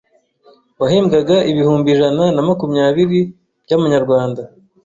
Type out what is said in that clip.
wahembwaga ibihumbi ijana namakumyabiri by’amanyarwanda,